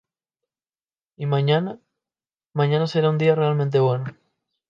Y mañana... mañana será un día realmente 'bueno'!